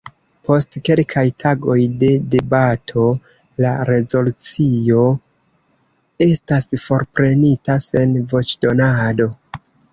Post kelkaj tagoj de debato, la rezolucio estas forprenita sen voĉdonado.